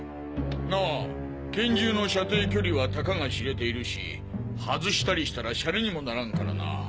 ああ拳銃の射程距離はたかが知れているし外したりしたら洒落にもならんからな。